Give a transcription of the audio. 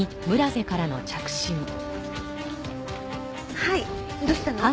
はいどうしたの？